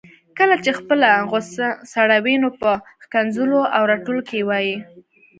کله چي خپله غصه سړوي نو په ښکنځلو او رټلو کي وايي